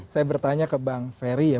saya bertanya ke bang ferry ya